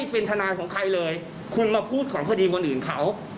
เป็นทนายของใครเลยคุณมาพูดของคดีคนอื่นเขา